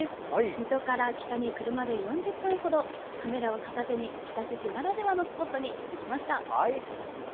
水戸から北に車で４０分程カメラを片手に日立市ならではのスポットに行ってきました。